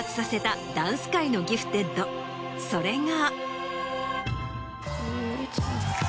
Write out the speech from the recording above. それが。